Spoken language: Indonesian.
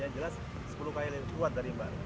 yang jelas sepuluh kali kuat dari mbak